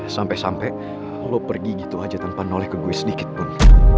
sampai sampai lo pergi gitu aja tanpa noleh ke gue sedikit pun